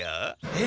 え！？